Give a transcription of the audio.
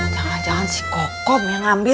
jangan jangan si kokom yang ngambil